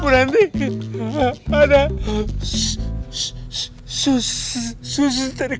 berhenti ada susu susu terkeramas